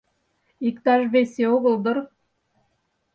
Иктаж весе огыл дыр?